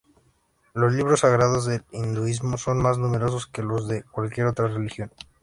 Los libros sagrados del hinduismo son más numerosos que los de cualquier otra religión.